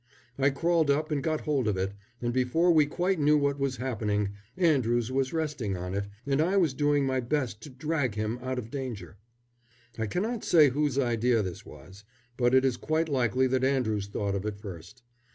I crawled up and got hold of it, and before we quite knew what was happening, Andrews was resting on it, and I was doing my best to drag him out of danger. I cannot say whose idea this was, but it is quite likely that Andrews thought of it first.